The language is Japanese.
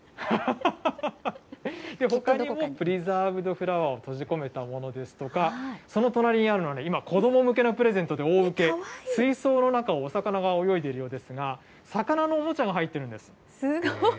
ほかにもプリザードフラワーを閉じ込めたものですとか、その隣にあるのは今、子ども向けのプレゼントで大受け、水槽の中にお魚が泳いでいるようですが、魚のおもちゃが入っているんです。